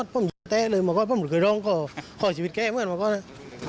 ปล่อยชีวิตแก้เมื่อนมาก็นะ